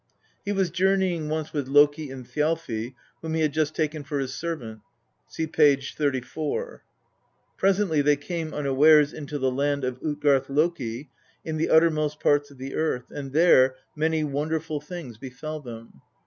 He was journeying once with Loki and Thjalfi, whom he had just taken for his servant (see p. xxxiv.). Presently they came unawares into the land of Utgarth loki, in the uttermost parts of the earth, and there many wonderful things befell them.